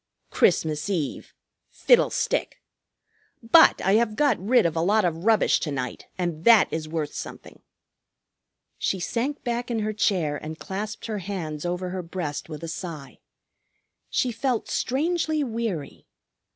Christmas Eve! Fiddlestick! But I have got rid of a lot of rubbish to night, and that is worth something." She sank back in her chair and clasped her hands over her breast with a sigh. She felt strangely weary.